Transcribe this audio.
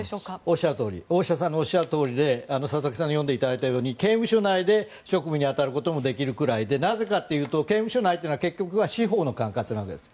おっしゃるとおり大下さんのおっしゃるとおりで佐々木さんに読んでいただいたとおり刑務所内で職務に当たることもできるぐらいでなぜかというと刑務所内というのは結局、司法の管轄のわけです。